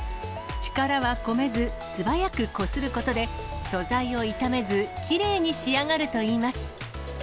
力は込めず、素早くこすることで、素材を傷めず、きれいに仕上がるといいます。